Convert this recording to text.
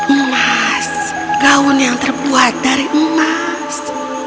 muas gaun yang terbuat dari emas